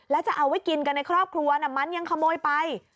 แล้วจะเอาไว้กินกันในครอบครัวมันยังขโมยไป